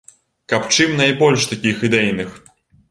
Каб чым найбольш такіх ідэйных!